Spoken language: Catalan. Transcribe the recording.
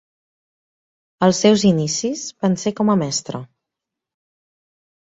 Els seus inicis van ser com a mestre.